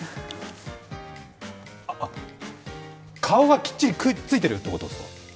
顔がきっちりくっついてるってことですか？